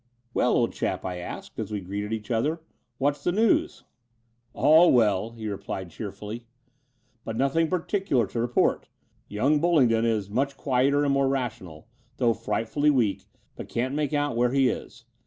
"Well, old chap," I asked, as we greeted each other, what's the news ?'' "All well," he replied cheerfully, "but nothing 122 The Door of the Unreal particular to report. Young Bullingdon is much quieter and more rational, though frightfully weak, but can't make out where he is.